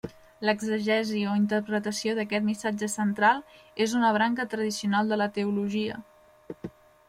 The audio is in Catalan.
L'exegesi o interpretació d'aquest missatge central és una branca tradicional de la teologia.